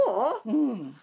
うん。